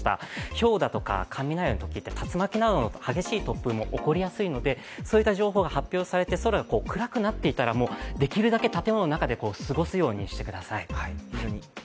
ひょうだとか雷のときって竜巻などの激しい突風が吹くのでそういった情報が発表されて空が暗くなっていたら、できるだけ建物の中で過ごすようにしてください。